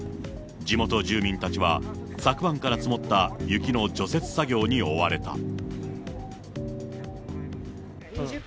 地元住民たちは、昨晩から積もった雪の除雪作業に追われた。